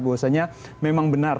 bahwasanya memang benar